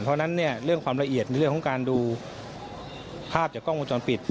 เพราะฉะนั้นเนี่ยเรื่องความละเอียดในเรื่องของการดูภาพจากกล้องวงจรปิด